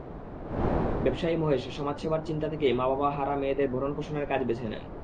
ব্যবসায়ী মহেশ সমাজসেবার চিন্তা থেকেই মা-বাবা হারা মেয়েদের ভরণপোষণের কাজ বেছে নেন।